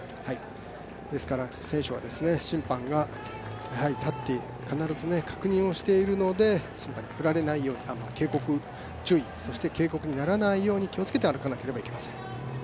ですから選手は審判が立って、必ず確認をしているので、審判に警告、注意にならないように気をつけて歩かなければいけません。